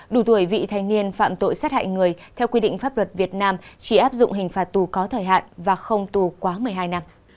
đủ tuổi vị thanh niên phạm tội sát hại người theo quy định pháp luật việt nam chỉ áp dụng hình phạt tù có thời hạn và không tù quá một mươi hai năm